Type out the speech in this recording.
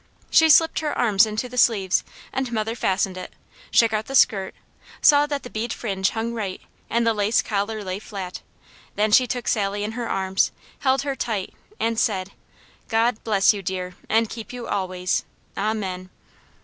She slipped her arms into the sleeves, and mother fastened it, shook out the skirt, saw that the bead fringe hung right, and the lace collar lay flat, then she took Sally in her arms, held her tight and said: "God bless you, dear, and keep you always. Amen."